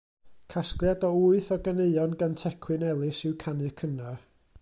Casgliad o wyth o ganeuon gan Tecwyn Ellis yw Canu Cynnar.